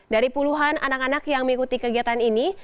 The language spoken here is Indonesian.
dari puluhan anak anak yang mengikuti kegiatan ini